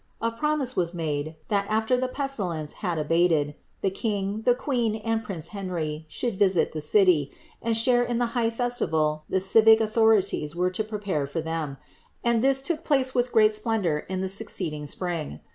A promise wu mait, thai alter the pealilence liad abated, the kiog, the queen, and prum Henry, should visit the cuy, and share in the high fesUTal the cnic authoiiiiee were to prepare for tliem ; and this took place with ^rcu Bpicudour in the succeeding spiing.